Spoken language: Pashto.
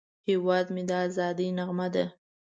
هیواد مې د ازادۍ نغمه ده